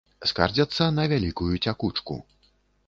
Скардзяцца на вялікую цякучку.